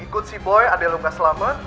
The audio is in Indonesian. ikut si boy ade lu ga selamat